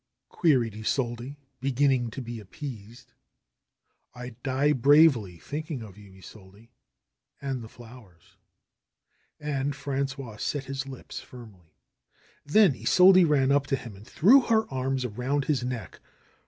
queried Isolde, begin ning to be appeased. "I'd die bravely, thinking of you, Isolde, and the flowers." And Frangois set his lips firmly. Then Isolde ran up to him and threw her arms around his neck.